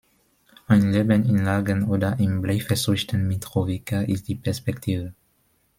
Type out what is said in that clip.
Ein Leben in Lagern oder im bleiverseuchten Mitrovica ist die Perspektive.